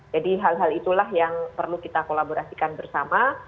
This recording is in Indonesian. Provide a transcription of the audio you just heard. jadi hal hal itulah yang perlu kita kolaborasikan bersama